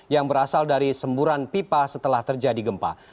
yang berasal dari semburan pipa setelah terjadi gempa